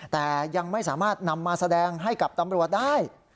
แต่ยังไม่สามารถนำมาแสดงให้กับตำรวจได้